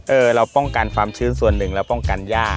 เราป้องกันความชื้นส่วนหนึ่งเราป้องกันย่า